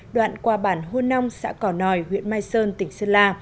đoạn qua bản hô nong xã cỏ nòi huyện mai sơn tỉnh sơn la